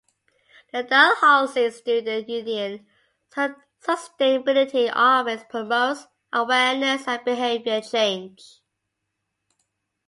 The Dalhousie Student Union Sustainability Office promotes awareness and behaviour change.